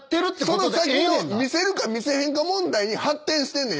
その先の見せるか見せへんか問題に発展してんねん。